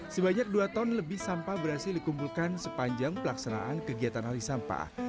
sebanyak dua ton lebih sampah berhasil dikumpulkan sepanjang pelaksanaan kegiatan alih sampah